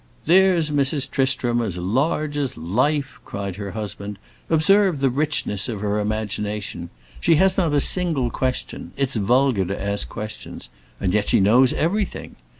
"There's Mrs. Tristram, as large as life!" cried her husband. "Observe the richness of her imagination. She has not a single question—it's vulgar to ask questions—and yet she knows everything.